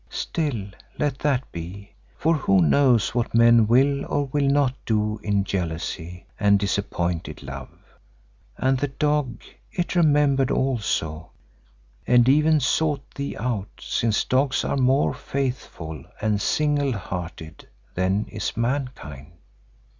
Still, let that be, for who knows what men will or will not do in jealousy and disappointed love? And the dog, it remembered also and even sought thee out, since dogs are more faithful and single hearted than is mankind.